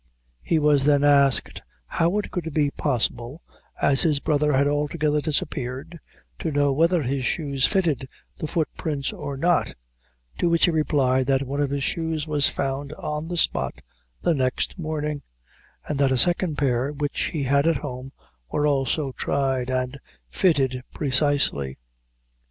He was then asked how it could be possible, as his brother had altogether disappeared, to know whether his shoes fitted the foot prints or not, to which he replied, that one of his shoes was found on the spot the next morning, and that a second pair, which he had at home, were also tried, and fitted precisely.